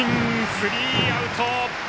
スリーアウト！